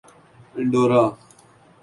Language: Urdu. انڈورا